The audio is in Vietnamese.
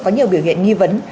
có nhiều biểu hiện nghi vấn